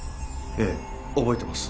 ええ覚えてます。